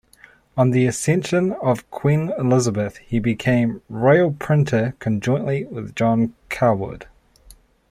On the accession of Queen Elizabeth he became Royal Printer conjointly with John Cawood.